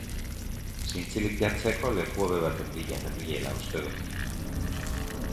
Zintzilik jartzeko leku hobe baten bila nenbilela uste dut.